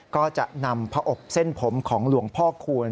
ก็จะนำพระอบเส้นผมของหลวงพ่อคูณ